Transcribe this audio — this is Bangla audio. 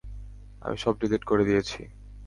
আমি সব ডিলিট করে দিয়েছি।